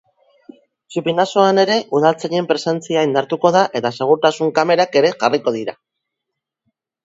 Txupinazoan ere, udaltzainen presentzia indartuko da eta segurtasun kamerak ere jarriko dira.